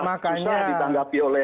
bisa ditanggapi oleh